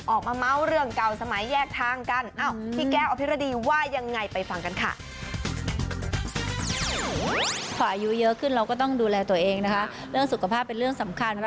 ออกมาเม้าเรื่องเก่าสมัยแยกทางกัน